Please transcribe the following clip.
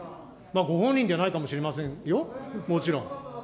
ご本人でないかもしれませんよ、もちろん。